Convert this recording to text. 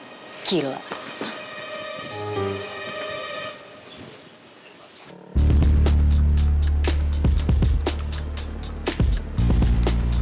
saya harus ke rumah lagi